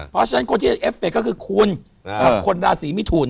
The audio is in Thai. เพราะฉะนั้นคนที่เอฟเฟคก็คือคุณกับคนราศีมิถุน